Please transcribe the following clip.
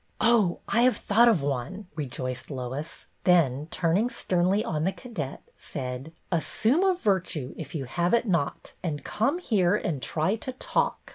" Oh, I have thought of one," rejoiced Lois, then turning sternly on the cadet, said, — "Assume a virtue if you have it not, and come here and try to talk."